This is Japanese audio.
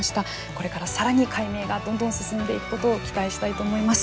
これからさらに解明がどんどん進んでいくことを期待したいと思います。